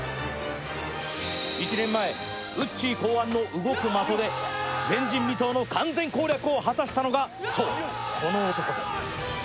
１年前、ウッチー考案の動く的で前人未到の完全攻略を果たしたのが、そう、この男です。